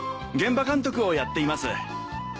現場監督をやっています。